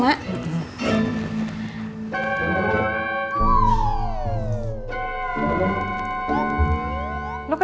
kak nian mak jalan dulu ya